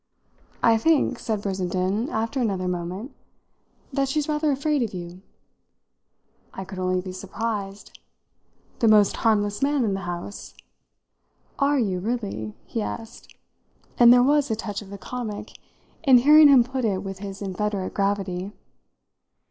"I think," said Brissenden after another moment, "that she's rather afraid of you." I could only be surprised. "The most harmless man in the house?" "Are you really?" he asked and there was a touch of the comic in hearing him put it with his inveterate gravity.